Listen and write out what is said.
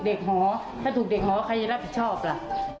หอถ้าถูกเด็กหอใครจะรับผิดชอบล่ะ